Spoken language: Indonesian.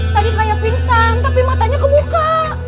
tadi kayak pingsan tapi matanya kebuka